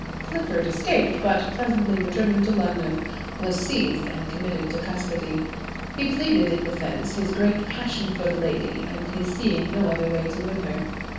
Clifford escaped, but presently returning to London, was seized and committed to custody. He pleaded in defence his great passion for the lady, and his seeing no other way to win her.